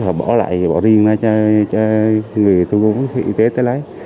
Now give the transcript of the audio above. họ bỏ lại bỏ riêng ra cho người thu gom y tế tới lái